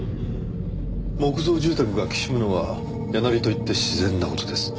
木造住宅がきしむのは「家鳴り」と言って自然な事です。